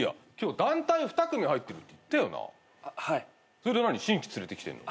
それで何新規連れてきてんの？